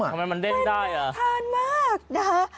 ทำไมมันเด้นได้ล่ะมันอร่อยทานมากนะฮะ